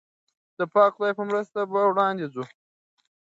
د پاک خدای په مرسته به وړاندې ځو.